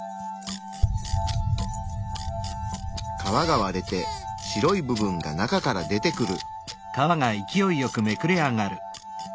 皮が割れて白い部分が中から出てくる。